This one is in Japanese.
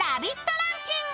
ランキング。